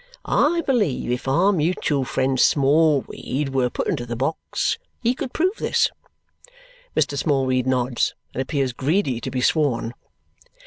I believe if our mutual friend Smallweed were put into the box, he could prove this?" Mr. Smallweed nods and appears greedy to be sworn.